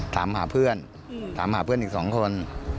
ถามหาเพื่อนถามหาเพื่อนอีก๒คน